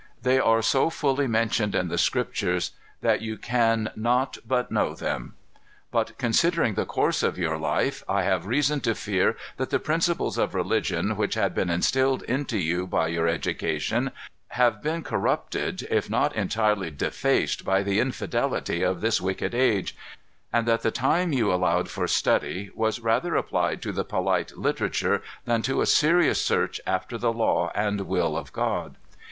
They are so fully mentioned in the Scriptures that you can not but know them. But, considering the course of your life, I have reason to fear that the principles of religion which had been instilled into you by your education, have been corrupted, if not entirely defaced by the infidelity of this wicked age; and that the time you allowed for study was rather applied to the polite literature than to a serious search after the law and will of God.